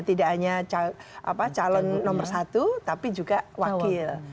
tidak hanya calon nomor satu tapi juga wakil